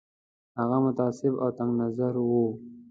هغه متعصب او تنګ نظر وو.